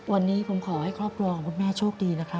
วันนี้ผมขอให้ครอบครัวของคุณแม่โชคดีนะครับ